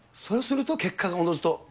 そうすると結果がおのずと。